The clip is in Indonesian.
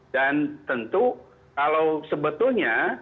dan tentu kalau sebetulnya